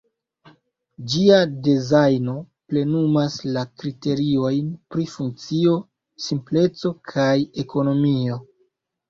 Ĝia dezajno plenumas la kriteriojn pri funkcio, simpleco kaj ekonomio.